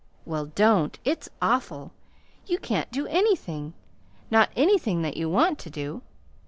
"Well, don't. It's awful. You can't do anything not anything that you want to do.